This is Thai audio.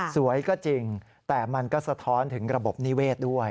สวยก็จริงแต่มันก็สะท้อนถึงระบบนิเวศด้วย